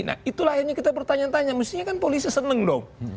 nah itulah akhirnya kita bertanya tanya mestinya kan polisi seneng dong